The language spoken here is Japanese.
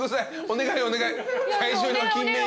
お願いお願い。